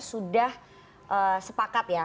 sudah sepakat ya